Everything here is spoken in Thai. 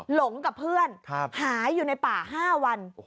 หลงกับเพื่อนหายอยู่ในป่า๕วัน